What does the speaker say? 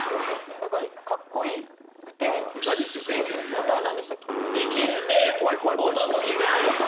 だからかっこいくて答え何でしたっけ？